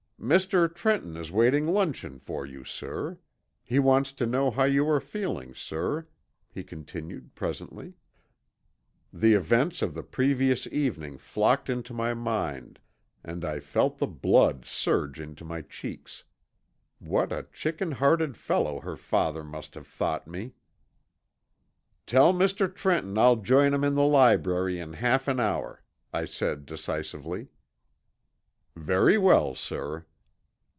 "Mr. Trenton is waiting luncheon for you, sir. He wants to know how you are feeling, sir," he continued presently. The events of the previous evening flocked into my mind, and I felt the blood surge into my cheeks. What a chicken hearted fellow her father must have thought me! "Tell Mr. Trenton I'll join him in the library in half an hour," I said decisively. "Very well, sir."